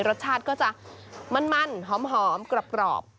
รสชาติก็จะมันหอมกรอบ